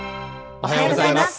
おはようございます。